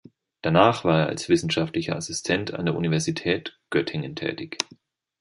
Danach war er als wissenschaftlicher Assistent an der Universität Göttingen tätig.